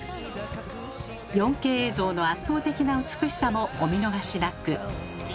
４Ｋ映像の圧倒的な美しさもお見逃しなく。